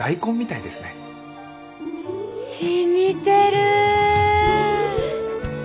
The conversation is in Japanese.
しみてる。